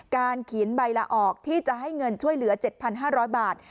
การเขียนใบละออกที่จะให้เงินช่วยเหลือ๗๕๐๐บาท